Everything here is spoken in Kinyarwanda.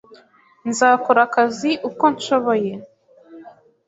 Nzakora akazi uko nshoboye